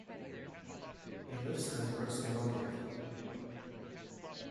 He lives and works in Belgrade.